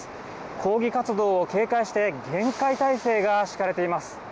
抗議活動を警戒して、厳戒態勢が敷かれています。